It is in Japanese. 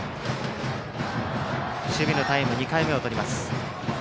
守備のタイム、２回目をとります。